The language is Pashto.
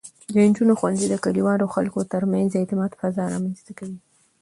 د نجونو ښوونځی د کلیوالو خلکو ترمنځ د اعتماد فضا رامینځته کوي.